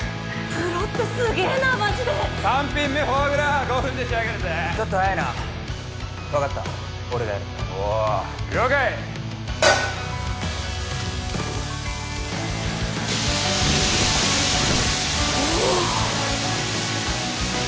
プロってすげえなマジで３品目フォアグラ５分で仕上がるぜちょっと早いな分かった俺がやるおお了解おお！